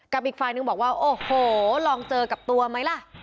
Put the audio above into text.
อีกฝ่ายนึงบอกว่าโอ้โหลองเจอกับตัวไหมล่ะ